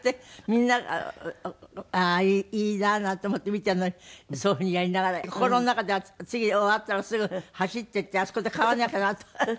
みんなああいいななんて思って見ているのにそういうふうにやりながら心の中では次終わったらすぐ走って行ってあそこで替わらなきゃなとかって。